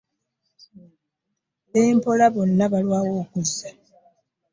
Be mpola bonna balwawo okuzza.